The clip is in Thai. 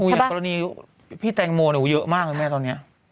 อุ้ยอย่างก็เลยพี่แตงโมทเยอะมากก็เลยแม่ตอนเนี้ย